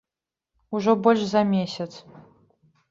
Ужо больш за месяц.